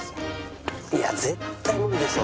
いや絶対無理でしょ。